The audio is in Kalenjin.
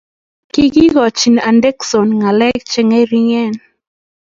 Kigigochi Anderson ngalek chengering